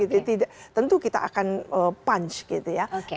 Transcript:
tentu kita akan punch gitu ya